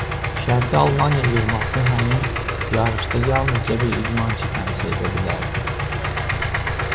Şərqi Almaniya yığması həmin yarışda yalnızca bir idmançı təmsil edə bilərdi.